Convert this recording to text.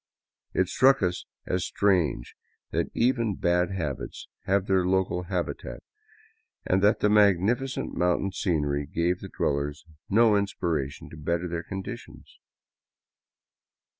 It struck us as strange that even bad habits have their local habitat and that the magnificent mountain scenery gave the dwellers no inspiration to better their conditions.